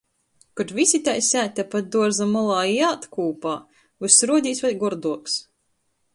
Kod vysi tai sēd tepat duorza molā i ād kūpā, vyss ruodīs vēļ gorduoks.